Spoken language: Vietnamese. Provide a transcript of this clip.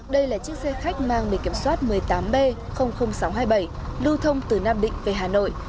đây là chiếc xe khách mang bị kiểm soát một mươi tám b sáu trăm hai mươi bảy lưu thông từ nam định về hà nội